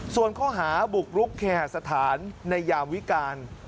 ส่วนข้อหาบุกรุกเคหาสถานในยามวิการ